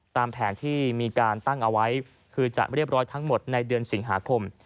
ตามแผนที่มีการตั้งเอาไว้คือจะเรียบร้อยทั้งหมดในเดือนสิงหาคม